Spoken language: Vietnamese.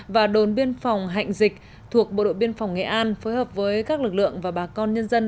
và đồn biên phòng hạnh dịch thuộc bộ đội biên phòng nghệ an phối hợp với các lực lượng và bà con nhân dân